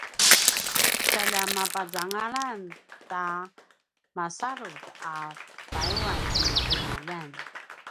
tjalja mapuzangalan ta masalut a palisiyan i qinaljan